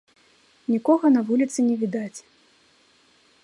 Нікога на вуліцы не відаць.